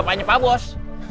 bapaknya pak bos